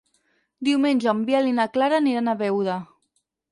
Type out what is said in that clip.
Diumenge en Biel i na Clara aniran a Beuda.